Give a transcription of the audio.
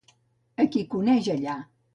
A qui coneix allà?